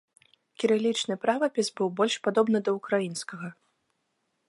Кірылічны правапіс быў больш падобны да ўкраінскага.